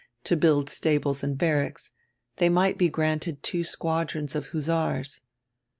to build stables and barracks, diey might be granted two squadrons of hussars.